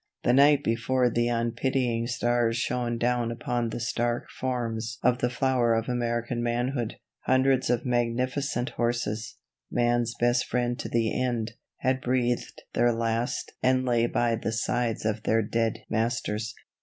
The night before the unpitying stars shone down upon the stark forms of the flower of American manhood. Hundreds of magnificent horses man's best friend to the end had breathed their last and lay by the sides of their dead masters.